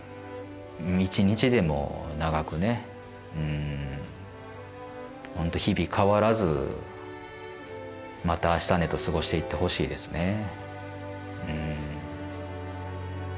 一日でも長くねほんと日々変わらずまた明日ねと過ごしていってほしいですね。